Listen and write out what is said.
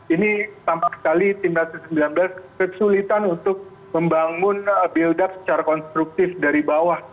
ini tampak sekali timnas u sembilan belas kesulitan untuk membangun build secara konstruktif dari bawah